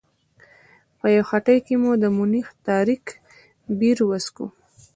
په یوه هټۍ کې مې د مونیخ تاریک بیر وڅښه.